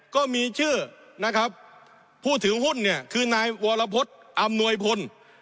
ก็มีชื่อนะครับผู้ถือหุ้นเนี่ยคือนายวรพฤษอำนวยพล